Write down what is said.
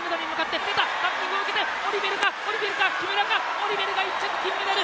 オリベルが１着金メダル！